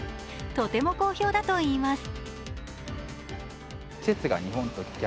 とても好評だといいます。